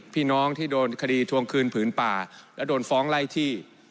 พี่น้องที่โดนคดีทวงคืนผืนป่าและโดนฟ้องไล่ที่